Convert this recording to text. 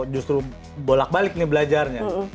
justru bolak balik nih belajarnya